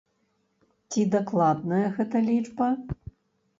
Ці дакладная гэта лічба?